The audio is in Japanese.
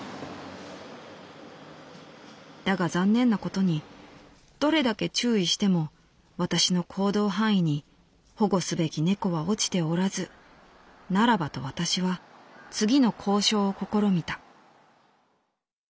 「だが残念なことにどれだけ注意しても私の行動範囲に保護すべき猫は落ちておらずならばと私は次の交渉を試みた」。